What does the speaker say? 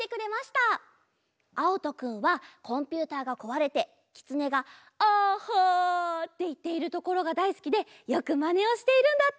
あおとくんはコンピューターがこわれてきつねが「ＡＨＨＡ」っていっているところがだいすきでよくまねをしているんだって！